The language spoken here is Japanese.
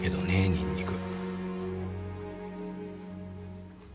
ニンニク。